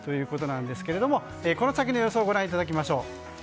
この先の予想をご覧いただきましょう。